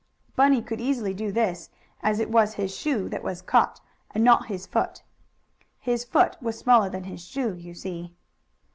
Bunny could easily do this, as it was his shoe that was caught, and not his foot. His foot was smaller than his shoe, you see.